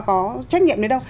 có trách nhiệm đến đâu